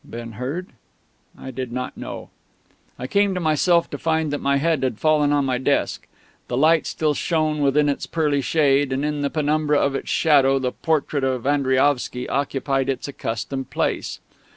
been heard? I did not know. I came to myself to find that my head had fallen on my desk. The light still shone within its pearly shade, and in the penumbra of its shadow the portrait of Andriaovsky occupied its accustomed place.